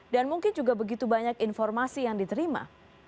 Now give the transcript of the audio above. dan mungkin juga begitu banyak informasi yang diterima